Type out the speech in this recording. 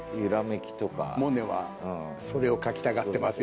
モネはそれを描きたがってますよね。